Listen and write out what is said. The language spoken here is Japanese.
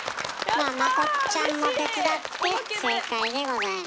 まあまこっちゃんも手伝って正解でございます。